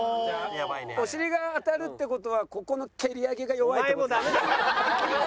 お尻が当たるって事はここの蹴り上げが弱いって事。